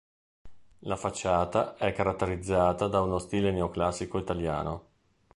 La facciata è caratterizzata da uno stile neoclassico italiano.